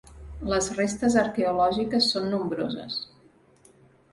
Les restes arqueològiques són nombroses.